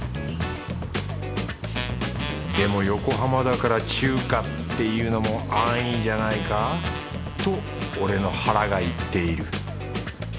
でも横浜だから中華っていうのも安易じゃないか？と俺の腹が言っている